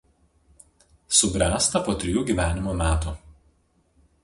Subręsta po trijų gyvenimo metų.